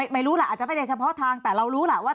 ไม่รู้ล่ะอาจจะไม่ได้เฉพาะทางแต่เรารู้ล่ะว่า